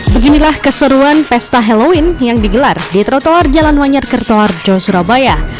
beginilah keseruan pesta halloween yang digelar di trotoar jalan wanyar kertoharjo surabaya